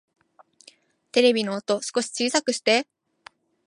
テレビの音、少し小さくして